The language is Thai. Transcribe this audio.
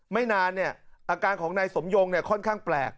ไม่นานเนี่ยอาการของนายสมยงค่อนข้างแปลก